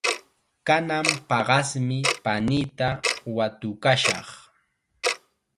Kanan paqasmi paniita watukashaq.